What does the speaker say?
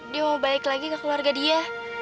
dia mau balik lagi ke keluarga dia